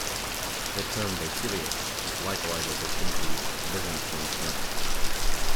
The term "basileus" is likewise a distinctly Byzantine term.